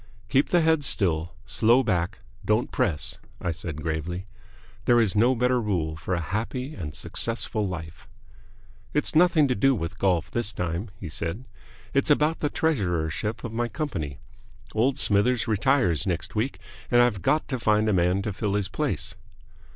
"Keep the head still slow back don't press," I said, gravely. There is no better rule for a happy and successful life. "It's nothing to do with golf this time," he said. "It's about the treasurership of my company. Old Smithers retires next week, and I've got to find a man to fill his place."